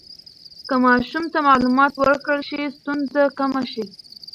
که ماشوم ته معلومات ورکړل شي، ستونزه کمه شي.